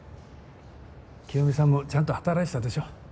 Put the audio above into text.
清美さんもちゃんと働いてたでしょ。